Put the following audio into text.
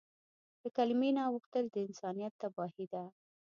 له کلیمې نه اوښتل د انسانیت تباهي ده.